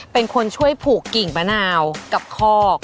เป็นคนช่วยผูกกิ่งมะนาวกับคอก